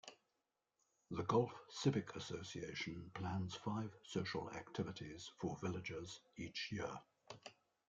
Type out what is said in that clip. The Golf Civic Association plans five social activities for villagers each year.